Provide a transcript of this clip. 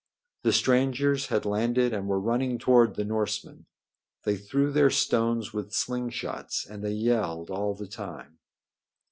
The strangers had landed and were running toward the Norsemen. They threw their stones with sling shots, and they yelled all the time.